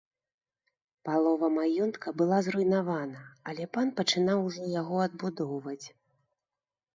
Палова маёнтка была зруйнавана, але пан пачынаў ужо яго адбудоўваць.